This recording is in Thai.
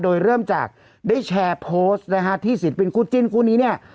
โดยเริ่มจากได้แชร์โพสต์นะฮะที่ศิลปินคู่จิ้นคู่นี้เนี่ย